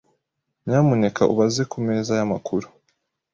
Nyamuneka ubaze kumeza yamakuru .